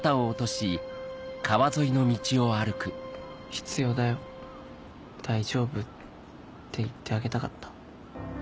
「必要だよ大丈夫」って言ってあげたかった